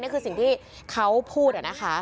นี่คือสิ่งที่เขาพูดนะคะ